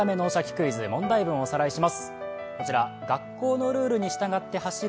クイズ」、問題文をおさらいします。